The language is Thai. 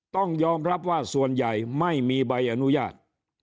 ต้องยอมรับว่าส่วนใหญ่ไม่มีใบอนุญาต